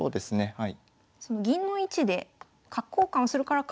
はい。